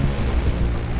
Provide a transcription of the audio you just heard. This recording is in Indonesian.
gak ada apa apa